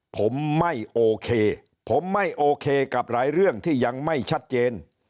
ผมไม่โอเคผมไม่โอเคกับหลายเรื่องที่ยังไม่ชัดเจน